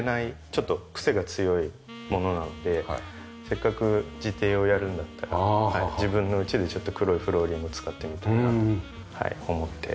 ちょっとクセが強いものなのでせっかく自邸をやるんだったら自分のうちでちょっと黒フローリング使ってみたいなと思って。